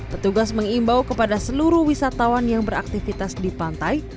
petugas mengimbau kepada seluruh wisatawan yang beraktivitas di pantai